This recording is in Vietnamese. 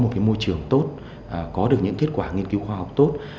một cái môi trường tốt có được những kết quả nghiên cứu khoa học tốt